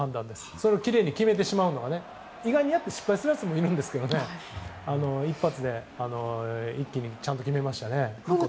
それをきれいに決めてしまうのが意外と外してしまう人もいるんですけど一気にちゃんと決めました。